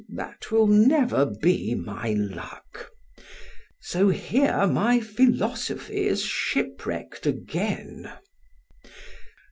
that will never be my luck——(so here my philosophy is shipwreck'd again.)